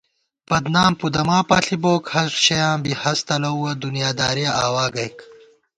بدنام پُدَما پاݪی بوک ہرشَیاں بی ہَس تلَؤوَہ دُنیا دارِیَہ آوا گَئیک